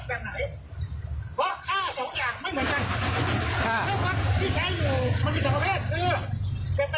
เพราะค่าสองอย่างไม่เหมือนกันค่ะเครื่องวัดที่ใช้อยู่มันมีสามแพทย์คือ